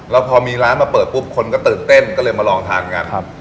แล้วพอมีร้านมาเปิดปุ๊บคนก็ตื่นเต้นก็เลยมาลองทานกันครับ